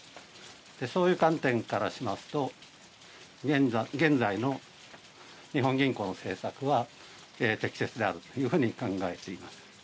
そういう観点からしますと、現在の日本銀行の政策は、適切であるというふうに考えています。